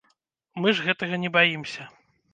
Мы ж гэтага не баімся.